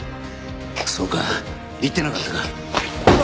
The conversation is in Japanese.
そうか言ってなかったか。